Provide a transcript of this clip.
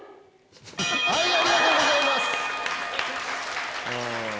ありがとうございます！